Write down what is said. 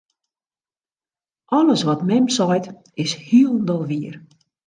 Alles wat mem seit, is hielendal wier.